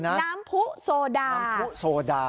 น้ำผู้โซดา